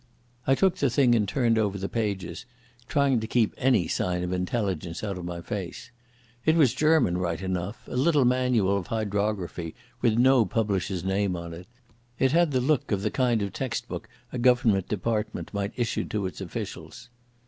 I took the thing and turned over the pages, trying to keep any sign of intelligence out of my face. It was German right enough, a little manual of hydrography with no publisher's name on it. It had the look of the kind of textbook a Government department might issue to its officials.